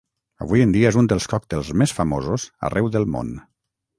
Avui en dia és un dels còctels més famosos arreu del món.